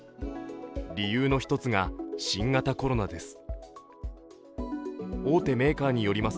理由の一つが、新型コロナです。